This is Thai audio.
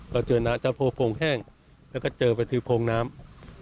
เราเจอนะจะโผล่โพงแห้งแล้วก็เจอไปถือโพงน้ำ